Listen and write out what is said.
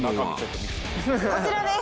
こちらです。